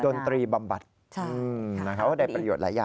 นตรีบำบัดเขาก็ได้ประโยชน์หลายอย่าง